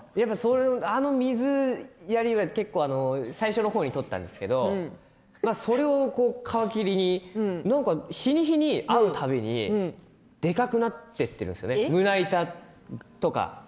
あの水は最初の方に撮ったんですけれどもそれを皮切りに日に日に会う度にでかくなっているんです胸板とか。